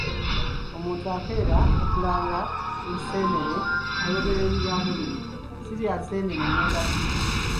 Omuntu akeera okulanga enseenene ayogera ebigambo bino nti: ‘Sirya nseenene ngenda Bujubi’